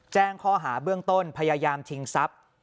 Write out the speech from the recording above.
แจ้งข้อหาเบื้องต้นพยายามชิงทรัพย์